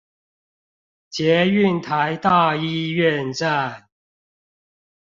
捷運臺大醫院站